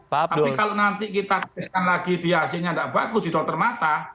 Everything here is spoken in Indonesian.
tapi kalau nanti kita tuliskan lagi dia hasilnya tidak bagus di dokter mata